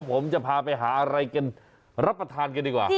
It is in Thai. ผมจะพาไปหาอะไรกันรับประทานกันดีกว่า